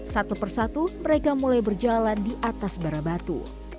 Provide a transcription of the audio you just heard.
satu persatu mereka mulai berjalan di atas bara batu